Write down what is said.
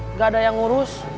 nggak ada yang ngurus